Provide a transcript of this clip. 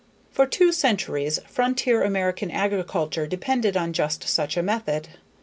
For two centuries, frontier American agriculture depended on just such a method.